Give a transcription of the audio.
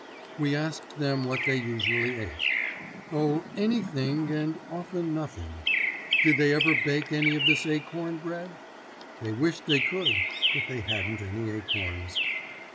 We asked them what they usually ate. Oh, anything and often nothing. Did they ever bake any of this acorn bread? They wished they could, but they hadn't any acorns.